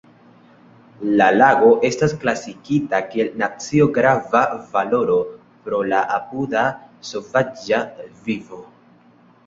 La lago estas klasita kiel nacio-grava valoro pro la apuda sovaĝa vivo.